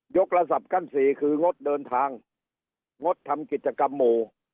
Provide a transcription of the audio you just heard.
กระสับกั้นสี่คืองดเดินทางงดทำกิจกรรมหมู่